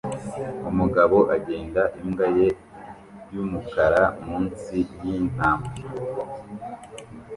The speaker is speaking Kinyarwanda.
Umugabo agenda imbwa ye yumukara munsi yintambwe